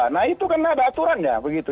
nah itu kan ada aturan ya begitu